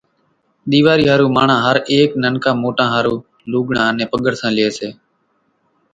ۮيواري ۿارُو ماڻۿان ھر ايڪ ننڪا موٽا ۿارُو لوڳڙان انين پڳرسان لئي سي